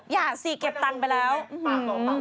อย่าสิเก็บตังค์ไปแล้ว